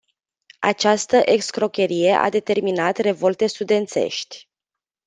Această excrocherie a determinat revolte studențești.